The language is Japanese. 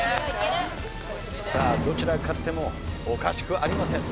さあどちらが勝ってもおかしくありません。